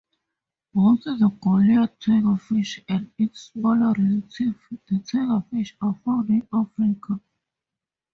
Both the goliath tigerfish and its smaller relative the tigerfish are found in Africa.